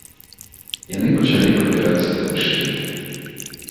Яны пачалі прабірацца да вышыні.